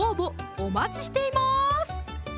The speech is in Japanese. お待ちしています